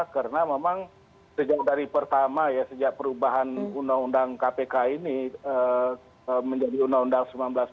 karena memang sejak dari pertama ya sejak perubahan undang undang kpk ini menjadi undang undang sembilan belas dua ribu sembilan belas